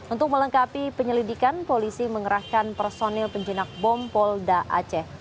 untuk melengkapi penyelidikan polisi mengerahkan personil penjinak bom polda aceh